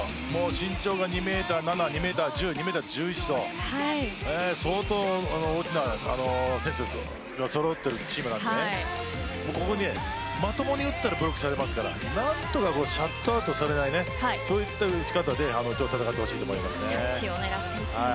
身長が２ｍ７、２ｍ１０、２ｍ１１と相当な選手が揃っているのでまともに打ったらブロックされますから何とかシャットアウトされない打ち方で戦ってほしいと思います。